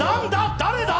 誰だ？